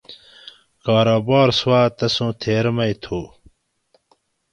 کاروبار سوآۤ تسوں تھیر مئی تھو